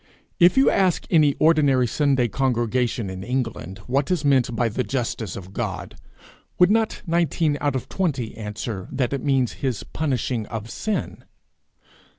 If you ask any ordinary Sunday congregation in England, what is meant by the justice of God, would not nineteen out of twenty answer, that it means his punishing of sin?